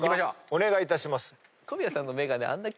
お願いいたします。